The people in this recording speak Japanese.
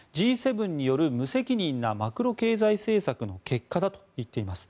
Ｇ７による無責任なマクロ経済政策の結果だと言っています。